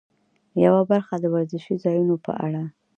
یوه برخه د وزرشي ځایونو په اړه.